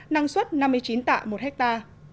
năng suất năm mươi chín tạ một ha